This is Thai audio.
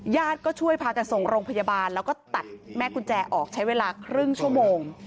ก็ช่วยพากันส่งโรงพยาบาลแล้วก็ตัดแม่กุญแจออกใช้เวลาครึ่งชั่วโมง